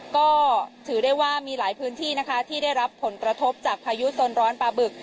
ก็ถือได้ว่ามีหลายพื้นที่นะคะที่ได้รับผลกระทบจากพายุโซนร้อนปลาบึก